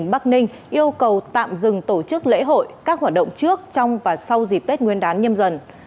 bắc ninh yêu cầu tạm dừng tổ chức lễ hội các hoạt động trước trong và sau dịp tết nguyên đán nhâm dần